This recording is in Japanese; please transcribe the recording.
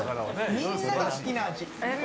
みんなが好きな味。